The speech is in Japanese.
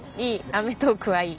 『アメトーーク』はいい。